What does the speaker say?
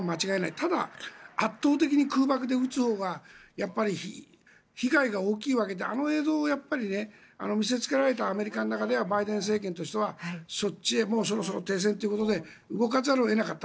ただ、圧倒的に空爆で撃つほうが被害が大きいわけであの映像を見せつけられたアメリカの中ではバイデン政権としてはそっちへそろそろ停戦ということで動かざるを得なかった。